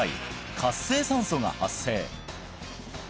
活性酸素が発生